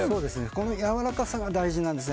このやわらかさが大事なんです。